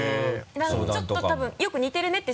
ちょっと多分よく似てるねって